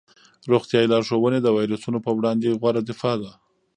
روغتیايي لارښوونې د ویروسونو په وړاندې غوره دفاع ده.